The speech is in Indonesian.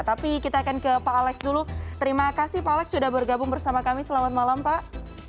tapi kita akan ke pak alex dulu terima kasih pak alex sudah bergabung bersama kami selamat malam pak